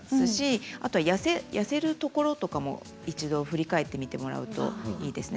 あと痩せるところとかも一度、振り返ってみていただくといいですね。